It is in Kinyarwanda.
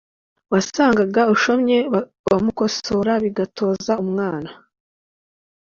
wasangaga ushyomye bamukosora, bigatoza umwana